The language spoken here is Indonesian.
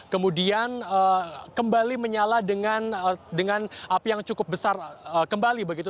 kemudian kembali menyala dengan api yang cukup besar kembali begitu